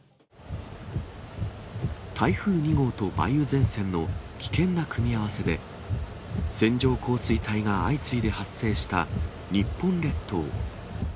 台風２号と梅雨前線の危険な組み合わせで、線状降水帯が相次いで発生した日本列島。